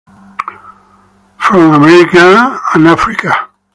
From America, and Africa.